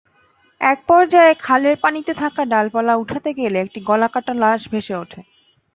একপর্যায়ে খালের পানিতে থাকা ডালপালা ওঠাতে গেলে একটি গলাকাটা লাশ ভেসে ওঠে।